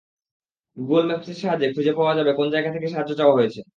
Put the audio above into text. Google ম্যাপসের সাহায্যে খুঁজে পাওয়া যাবে কোন জায়গা থেকে সাহায্য চাওয়া হয়েছে।